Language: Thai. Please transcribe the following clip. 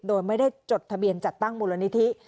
โดยไม่ได้จดทะเบียนจัดตั้งมูลนิธิ